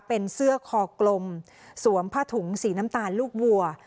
เป็นเสื้อคอกลมสวมผ้าถุงสีน้ำตาลลูกวัว